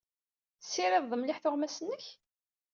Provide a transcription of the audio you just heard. Tessirided mliḥ tuɣmas-nnek?